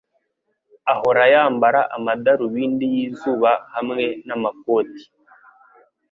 ahora yambara amadarubindi yizuba hamwe namakoti.